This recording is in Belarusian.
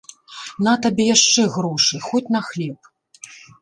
На табе яшчэ грошы, хоць на хлеб.